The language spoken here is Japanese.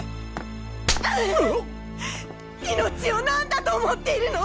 命を何だと思っているの！